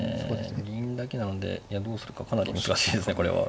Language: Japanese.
銀だけなのでどうするかかなり難しいですねこれは。